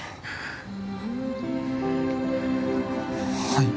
はい